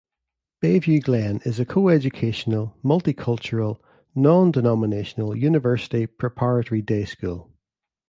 Bayview Glen is a co-educational, multicultural, non-denominational, university preparatory day school.